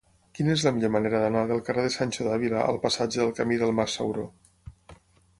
Quina és la millor manera d'anar del carrer de Sancho de Ávila al passatge del Camí del Mas Sauró?